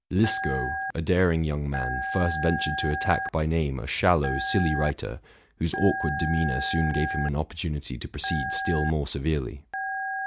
Liskow, a daring young man, first ventured to attack by name a shallow, silly writer, whose awkward demeanor soon gave him an opportunity to proceed still more severely.